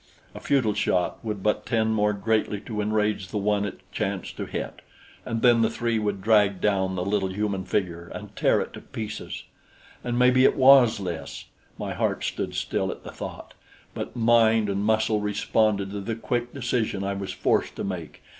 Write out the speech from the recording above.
A futile shot would but tend more greatly to enrage the one it chanced to hit; and then the three would drag down the little human figure and tear it to pieces. And maybe it was Lys! My heart stood still at the thought, but mind and muscle responded to the quick decision I was forced to make.